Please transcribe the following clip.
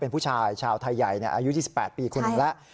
เป็นผู้ชายชาวไทยใหญ่อายุ๒๘ปีคนหนึ่งแล้ว